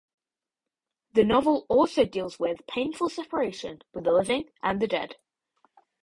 The novel also deals with painful separation with the living and the dead.